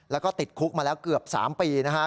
แล้วก็ติดคุกมาแล้วเกือบ๓ปีนะฮะ